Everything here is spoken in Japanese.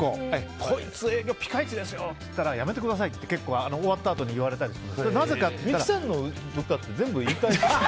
こいつ営業ピカイチですよ！って言ったらやめてくださいって結構終わったあとに三木さんの部下って全部言い返してくる。